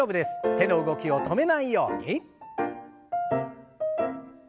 手の動きを止めないように。